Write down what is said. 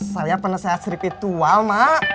saya penasehat spiritual mak